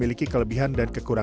ini akan menyebabkan bisa mengembang